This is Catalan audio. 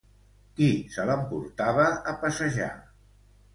Qui se l'emportava a passejar?